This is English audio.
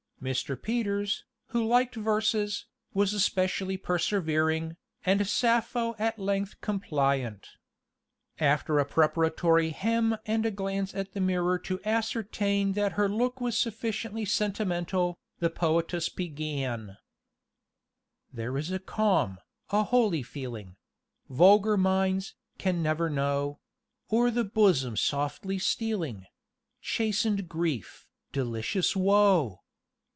Mr. Peters, "who liked verses," was especially persevering, and Sappho at length compliant. After a preparatory hem! and a glance at the mirror to ascertain that her look was sufficiently sentimental, the poetess began: "There is a calm, a holy feeling, Vulgar minds, can never know, O'er the bosom softly stealing, Chasten'd grief, delicious woe!